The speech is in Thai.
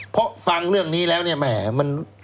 เพราะฟังเรื่องนี้แล้วเนี่ยแหมมัน